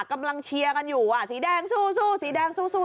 กำลังเชียร์กันอยู่อ่ะสีแดงสู้สีแดงสู้